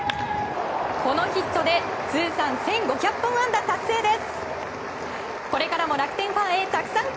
このヒットで通算１５００本安打達成です。